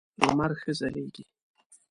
لمر ښه ځلېږي .